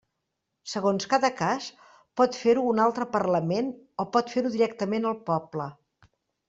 Segons cada cas, pot fer-ho un altre parlament o pot fer-ho directament el poble.